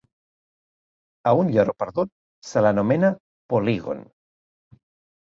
A un lloro perdut se l'anomena polígon.